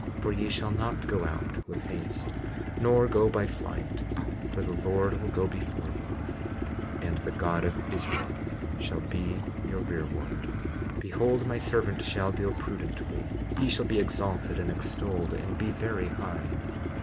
20:42 For ye shall not go out with haste nor go by flight; for the Lord will go before you, and the God of Israel shall be your rearward. 20:43 Behold, my servant shall deal prudently; he shall be exalted and extolled and be very high.